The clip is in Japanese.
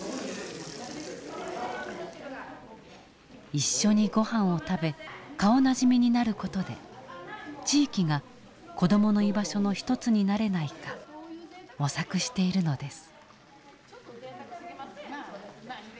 一緒にごはんを食べ顔なじみになる事で地域が子どもの居場所の一つになれないか模索しているのです。